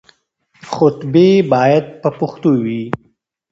خطبې بايد په پښتو وي.